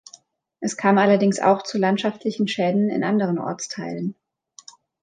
Es kam allerdings auch zu landschaftlichen Schäden in anderen Ortsteilen.